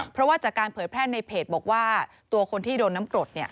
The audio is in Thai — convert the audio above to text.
เพราะว่าจากการเผยแพร่ในเพจบอกว่าตัวคนที่โดนน้ำกรด